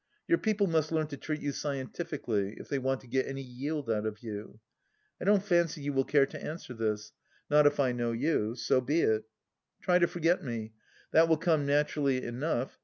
" Your people must learn to treat you scientifically, if they want to get any yield out of you. " I don't fancy you will care to answer this. Not if I know you. So be it !" Try to forget me. That will come naturally enough.